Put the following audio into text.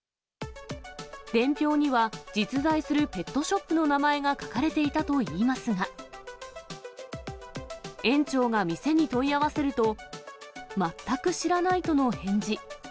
伝票には実在するペットショップの名前が書かれていたといいますが、園長が店に問い合わせると、全く知らないとの返事。